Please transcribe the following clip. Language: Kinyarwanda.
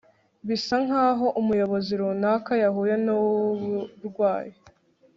bisa nkaho umuyobozi runaka yahuye nuburwayi